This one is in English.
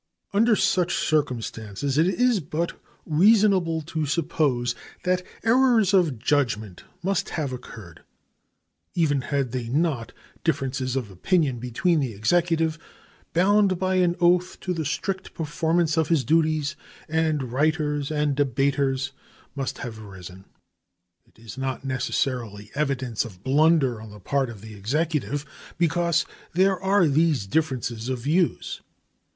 Under such circumstances it is but reasonable to suppose that errors of judgment must have occurred. Even had they not, differences of opinion between the Executive, bound by an oath to the strict performance of his duties, and writers and debaters must have arisen. It is not necessarily evidence of blunder on the part of the Executive because there are these differences of views.